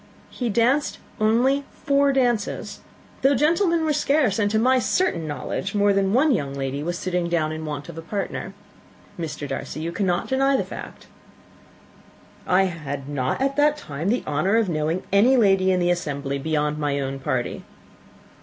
He danced only four dances, though gentlemen were scarce; and, to my certain knowledge, more than one young lady was sitting down in want of a partner. Mr. Darcy, you cannot deny the fact." "I had not at that time the honour of knowing any lady in the assembly beyond my own party."